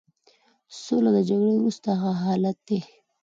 سوله د جګړې وروسته هغه حالت دی.